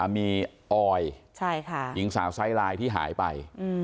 มีออยหญิงสาวไซลายที่หายไป